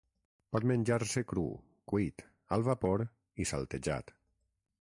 Pot menjar-se cru, cuit, al vapor, i saltejat.